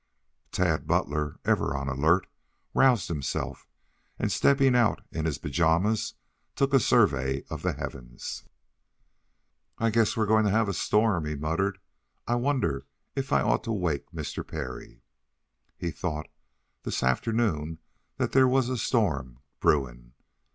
Tad Butler, ever on the alert, roused himself, and stepping out in his pajamas took a survey of the heavens. "I guess we're going to have a storm," he muttered. "I wonder if I ought to wake Mr. Parry? He thought, this afternoon, that there was a storm brewing.